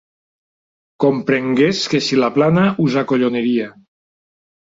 Comprengués que si l'aplana us acolloniria.